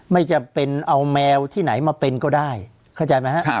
ไม่จำเป็นเอาแมวที่ไหนมาเป็นก็ได้เข้าใจไหมฮะ